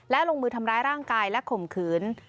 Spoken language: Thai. และลงมือทำร้ายร่างกายและข่มขืน